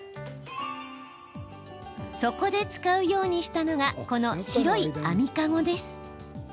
そこで使うようにしたのがこの白い網かごです。